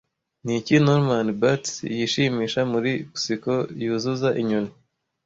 Niki Norman Bates yishimisha muri Psycho Yuzuza inyoni